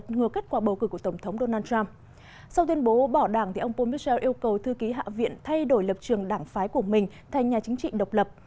sau tuyên bố bỏ đảng ông pomichel yêu cầu thư ký hạ viện thay đổi lập trường đảng phái của mình thành nhà chính trị độc lập